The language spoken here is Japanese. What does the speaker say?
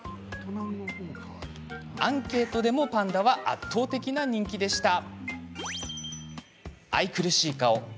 アンケートでもパンダは圧倒的な人気でした。